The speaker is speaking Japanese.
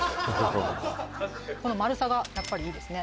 この丸さがやっぱりいいですね